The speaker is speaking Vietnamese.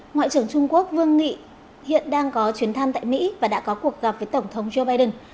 ngoại trưởng trung quốc vương nghị hiện đang có chuyến thăm tại mỹ và đã có cuộc gặp với tổng thống joe biden